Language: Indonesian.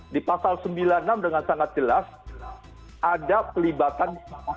di pasal sembilan puluh enam dengan sangat jelas ada pelibatan